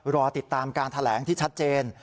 รอติดตามการแถลงที่ชัดเจน